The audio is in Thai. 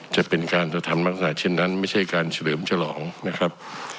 จะเป็นการกระทำลักษณะเช่นนั้นไม่ใช่การเฉลิมฉลองนะครับ